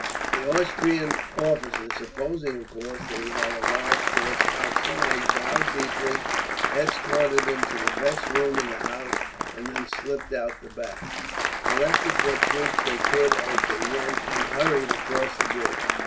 The Austrian officers, supposing, of course, that he had a large force outside, bowed deeply, escorted him to the best room in the house, and then slipped out at the back, collected what troops they could as they went, and hurried across the bridge.